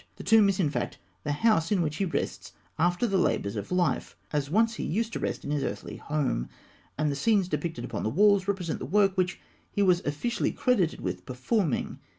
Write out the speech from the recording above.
The tomb is, in fact, the house in which he rests after the labours of life, as once he used to rest in his earthly home; and the scenes depicted upon the walls represent the work which he was officially credited with performing.